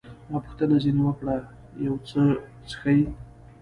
ما پوښتنه ځیني وکړل، یو څه څښئ؟